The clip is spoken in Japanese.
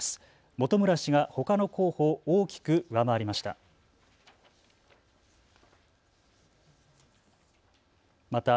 本村氏がほかの候補を大きく上回りました。